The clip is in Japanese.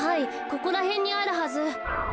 ここらへんにあるはず。